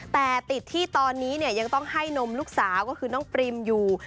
แต่ติดที่ตอนนี้เนี่ยยังต้องให้นมลูกสาวก็คือน้องปริมอยู่